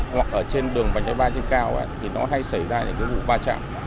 hoặc ở trên đường vành đai ba trên cao thì nó hay xảy ra những vụ pha chạm